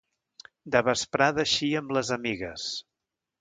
De vesprada eixia amb les amigues.